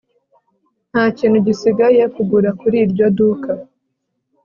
Nta kintu gisigaye kugura kuri iryo duka